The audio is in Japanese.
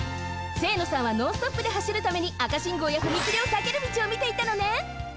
清野さんはノンストップではしるために赤信号や踏切をさける道をみていたのね。